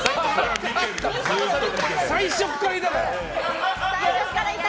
最初からいただろ。